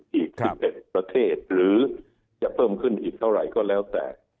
อีก๑๑ประเทศหรือจะเพิ่มขึ้นอีกเท่าไหร่ก็แล้วแต่